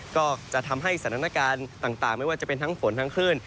ก็จะทำให้สถานการณ์ต่างไม่ว่าจะเป็นทั้งฝนทั้งคลื่น